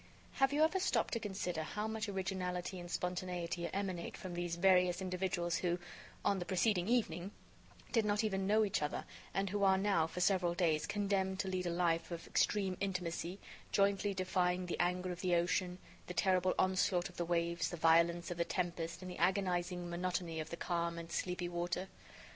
Have you ever stopped to consider how much originality and spontaneity emanate from these various individuals who, on the preceding evening, did not even know each other, and who are now, for several days, condemned to lead a life of extreme intimacy, jointly defying the anger of the ocean, the terrible onslaught of the waves, the violence of the tempest and the agonizing monotony of the calm and sleepy water?